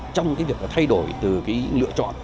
trong việc thay đổi từ lựa chọn